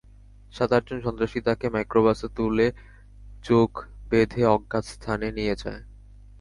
সাত-আটজন সন্ত্রাসী তাঁকে মাইক্রোবাসে তুলে চোখ বেঁধে অজ্ঞাত স্থানে নিয়ে যায়।